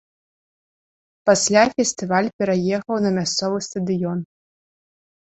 Пасля фестываль пераехаў на мясцовы стадыён.